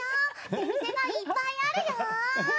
出店がいっぱいあるよ！